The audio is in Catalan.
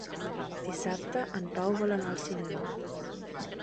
Dissabte en Pau vol anar al cinema.